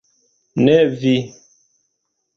Ne vi.